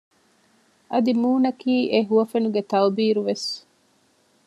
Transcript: އަދި މޫނަކީ އެ ހުވަފެނުގެ ތައުބީރު ވެސް